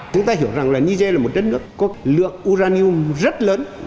chúng ta hiểu rằng là niger là một đất nước có lượng uranium rất lớn